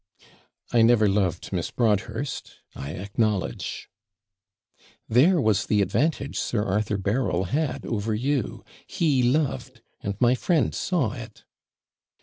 'I never loved Miss Broadhurst, I acknowledge.' 'There was the advantage Sir Arthur Berryl had over you he loved, and my friend saw it.'